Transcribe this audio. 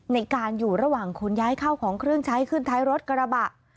ในการอยู่ระหว่างขนย้ายเข้าของเครื่องใช้ขึ้นท้ายรถกระบะ